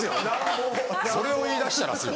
・それを言いだしたらですよ。